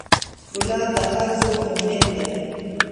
ګلاب د هر زړه امید ده.